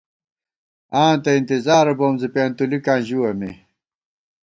آں تہ انتظارہ بوم زی، پېنتُولِکاں ژِوَہ مے